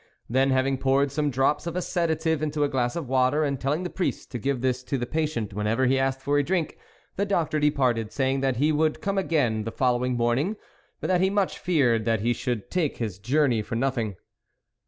Then, having poured some dr6ps of a sedative into a glass of water, and telling the priest to give this to the patient whenever he asked for drink, the doctor departed, saying that he would come again the following morning, but that he much feared he should take his journey for nothing.